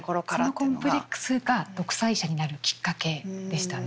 そのコンプレックスが独裁者になるきっかけでしたね。